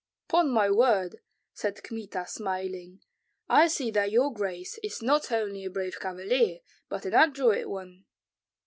"'Pon my word," said Kmita, smiling, "I see that your grace is not only a brave cavalier, but an adroit one."